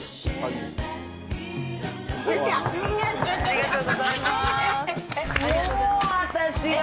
ありがとうございます。